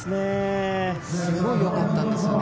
すごいよかったんですよね。